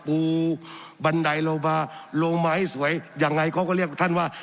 ปูบันไดโลบาลงมาให้สวยยังไงเขาก็เรียกท่านว่า